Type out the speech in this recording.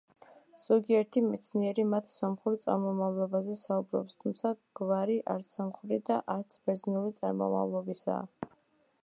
ზოგიერთი მეცნიერი, მათ სომხურ წარმომავლობაზე საუბრობს, თუმცა გვარი არც სომხური და არც ბერძნული წარმომავლობისაა.